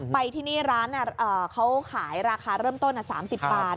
ไปที่นี่ร้านเขาขายราคาเริ่มต้น๓๐บาท